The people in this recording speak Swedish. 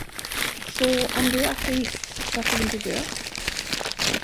Så om du är ateist, varför vill du dö?